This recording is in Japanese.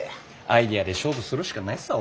アイデアで勝負するしかないさぁ